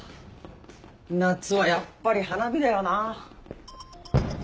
夏はやっぱり花火だよなぁ。